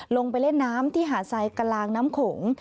ลงไปเล่นน้ำที่หาดทรายกลางน้ำโขง